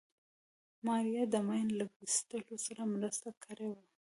ماريا د ماين له ويستلو سره مرسته کړې وه.